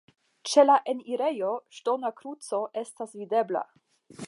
Ĉe la enirejo ŝtona kruco estas videbla.